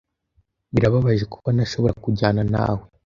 Birababaje kuba ntashobora kujyana nawe.